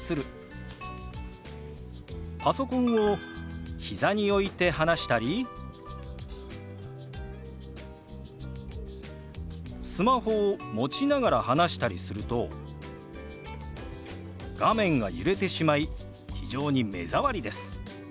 パソコンを膝に置いて話したりスマホを持ちながら話したりすると画面が揺れてしまい非常に目障りです。